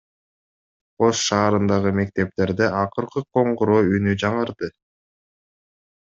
Ош шаарындагы мектептерде акыркы коңгуроо үнү жаңырды.